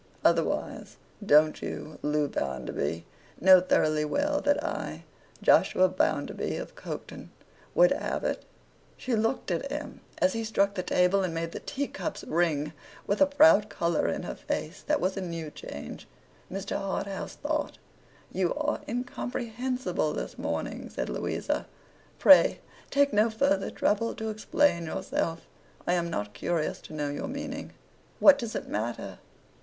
Otherwise, don't you, Loo Bounderby, know thoroughly well that I, Josiah Bounderby of Coketown, would have it?' She looked at him, as he struck the table and made the teacups ring, with a proud colour in her face that was a new change, Mr. Harthouse thought. 'You are incomprehensible this morning,' said Louisa. 'Pray take no further trouble to explain yourself. I am not curious to know your meaning. What does it matter?